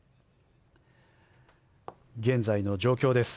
現在の状況です。